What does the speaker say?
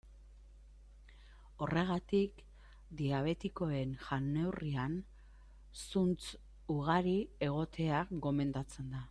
Horregatik, diabetikoen jan-neurrian zuntz ugari egotea gomendatzen da.